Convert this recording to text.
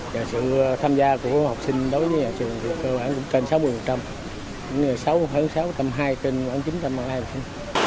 và sự tham gia của học sinh đối với nhà sữa học đường thì cơ bản cũng trên sáu mươi